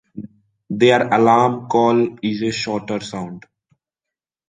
Their alarm call is a shorter sound.